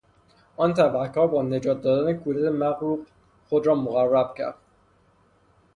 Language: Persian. آن تبهکار با نجات دادن کودک مغروق خود را مقرب کرد.